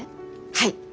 はい。